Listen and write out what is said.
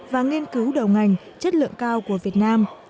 và nghiên cứu đầu ngành chất lượng cao của việt nam